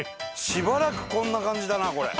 しばらくこんな感じだなこれ。